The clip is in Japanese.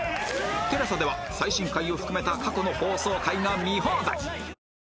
ＴＥＬＡＳＡ では最新回を含めた過去の放送回が見放題！